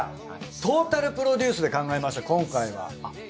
トータルプロデュースで考えました今回は。